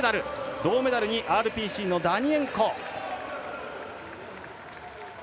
銅メダルにＲＰＣのダニレンコ。